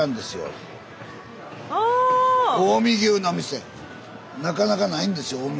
スタジオなかなかないんですよ